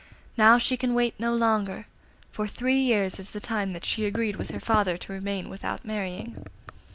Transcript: Now she can wait no longer, for three years is the time that she agreed with her father to remain without marrying.